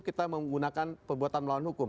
kita menggunakan perbuatan melawan hukum